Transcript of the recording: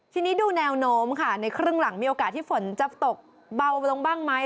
ทีนี้ดูแนวโน้มค่ะในครึ่งหลังมีโอกาสที่ฝนจะตกเบาลงบ้างไหม